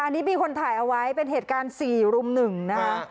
อันนี้มีคนถ่ายเอาไว้เป็นเหตุการณ์๔รุ่ม๑นะคะ